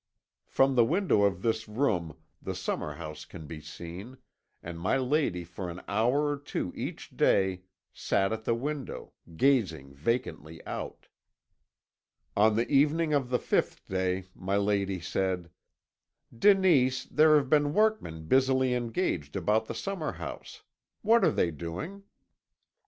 "From the window of this room the summer house can be seen, and my lady for an hour or two each day sat at the window, gazing vacantly out. "On the evening of the fifth day my lady said: "'Denise, there have been workmen busily engaged about the summer house. What are they doing?'